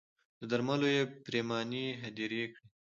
له درملو یې پرېماني هدیرې کړې